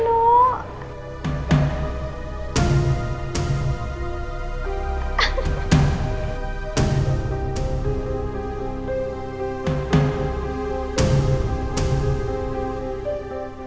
loh kasihan banget sih aldino